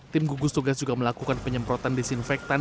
tim gugus tugas juga melakukan penyemprotan disinfektan